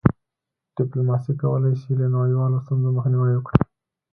ډيپلوماسي کولی سي له نړیوالو ستونزو مخنیوی وکړي.